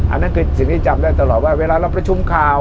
อันนั้นคือสิ่งที่จำได้ตลอดว่าเวลาเราประชุมข่าว